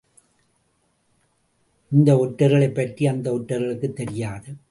இந்த ஒற்றர்களைப் பற்றி அந்த ஒற்றர்களுக்குத் தெரியாது.